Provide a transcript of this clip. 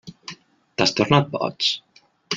T'has tornat boig?